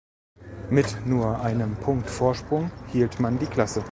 Mit nur einem Punkt Vorsprung hielt man die Klasse.